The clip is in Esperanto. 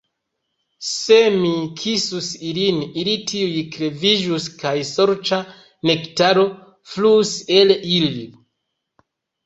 Se mi kisus ilin, ili tuj kreviĝus kaj sorĉa nektaro fluus el ili.